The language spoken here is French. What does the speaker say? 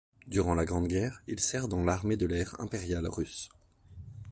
Durant la Grande Guerre il sert dans l'Armée de l'air impériale russe.